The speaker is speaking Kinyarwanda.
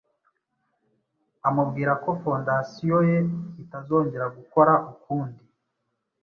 amubwira ko fondasiyo ye itazongera gukora ukundi.